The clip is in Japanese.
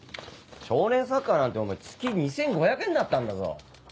少年サッカーなんて月２５００円だったんだぞ。